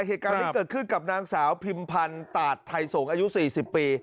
เหตุการณ์นี้เกิดขึ้นกับนางสาวพิมพันธ์ตาดไทยสงศ์อายุ๔๐ปี